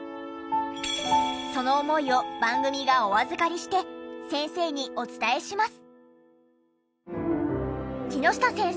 その思いを番組がお預かりして先生にお伝えします。